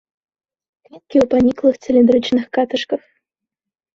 Кветкі ў паніклых цыліндрычных каташках.